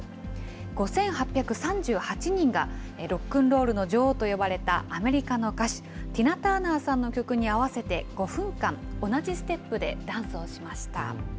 ５８３８人がロックンロールの女王と呼ばれたアメリカの歌手、ティナ・ターナーさんの曲に合わせて５分間、同じステップでダンスをしました。